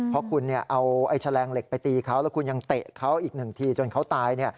เพราะคุณเอาแฉลงเหล็กไปตีเขาแล้วคุณยังเตะเขาอีกหนึ่งทีจนเขาตาย